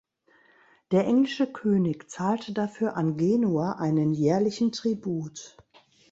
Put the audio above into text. Der englische König zahlte dafür an Genua einen jährlichen Tribut.